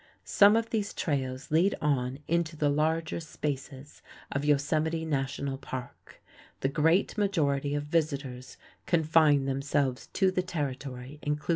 Some of these trails lead on into the larger spaces of Yosemite National Park. The great majority of visitors confine themselves to the territory included in the Valley.